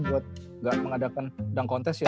buat gak mengadakan dunk contest ya